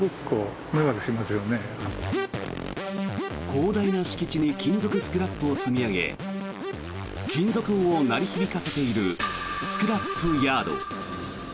広大な敷地に金属スクラップを積み上げ金属音を鳴り響かせているスクラップヤード。